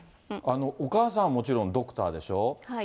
お母さんはもちろんドクターでしょう？